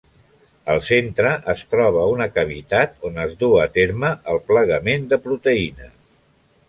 Al centre es troba una cavitat on es duu a terme el plegament de proteïnes.